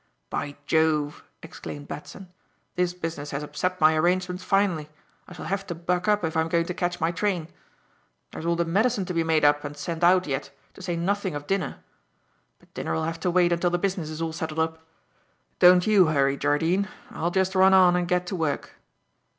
"By jove!" exclaimed Batson, "this business has upset my arrangements finely. I shall have to buck up if I'm going to catch my train. There's all the medicine to be made up and sent out yet, to say nothing of dinner. But dinner will have to wait until the business is all settled up. Don't you hurry, Jardine. I'll just run on and get to work."